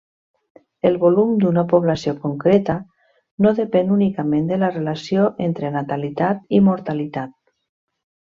El volum d'una població concreta no depèn únicament de la relació entre natalitat i mortalitat.